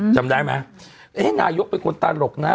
จำได้ไหมนายกเป็นคนตลกนะ